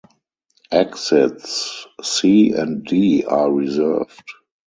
Exits C and D are reserved.